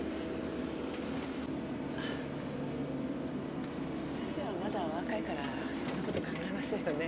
あ先生はまだお若いからそんな事考えませんよね？